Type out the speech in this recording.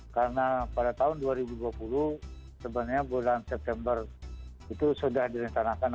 karena pada tahun dua ribu dua puluh sebenarnya bulan september itu sudah direncanakan